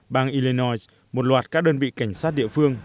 bang illenois một loạt các đơn vị cảnh sát địa phương